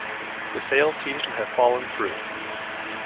The sale seems to have fallen through.